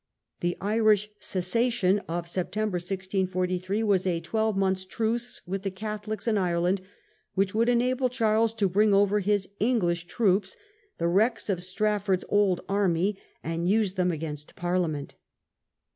The Irish "Cessation", September, 1643, was a twelve months' truce with the Catholics in Ireland, which would enable Charles to bring over his English troops, the wrecks of Strafford's old army, and use them against Parliament.